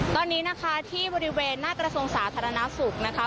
ตอนนี้นะคะที่บริเวณนาฬสงสาธารณสุขนะคะ